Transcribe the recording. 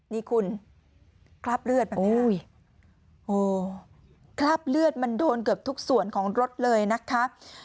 นี่คุณคลาบเลือดมันโดนเกือบทุกส่วนของรถเลยนะคะ